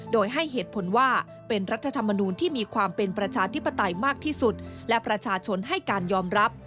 โดยให้เหตุผลว่าเป็นรัฐธรรมนูลที่มีความเป็นประชาธิปไตยมากที่สุดและประชาชนให้การยอมรับ